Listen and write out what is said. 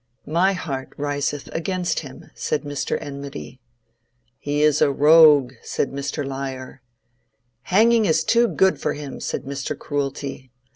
My heart riseth against him, said Mr. Enmity. He is a rogue, said Mr. Liar. Hanging is too good for him, said Mr. Cruelty.